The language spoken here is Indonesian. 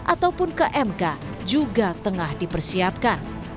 ataupun kmk juga tengah dipersiapkan